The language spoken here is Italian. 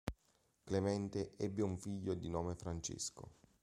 Clemente ebbe un figlio di nome Francesco.